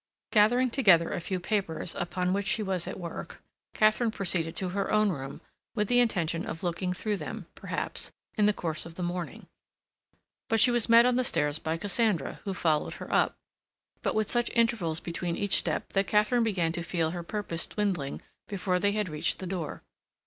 Gathering together a few papers upon which she was at work, Katharine proceeded to her own room with the intention of looking through them, perhaps, in the course of the morning. But she was met on the stairs by Cassandra, who followed her up, but with such intervals between each step that Katharine began to feel her purpose dwindling before they had reached the door.